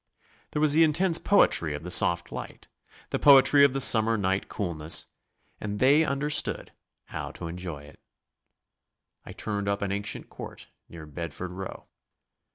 There was the intense poetry of the soft light, the poetry of the summer night coolness, and they understood how to enjoy it. I turned up an ancient court near Bedford Row.